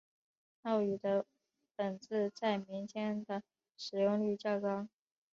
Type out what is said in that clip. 粤语的本字在民间的使用率较高。